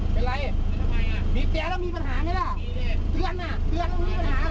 เป็นอะไรเป็นอะไรอ่ะมีแปลแล้วมีปัญหาไหมล่ะมีดิเตือนอ่ะเตือนแล้วมีปัญหาเหรอ